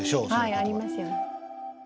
はいありますよね。